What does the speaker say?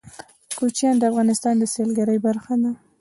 کوچیان د افغانستان د سیلګرۍ برخه ده.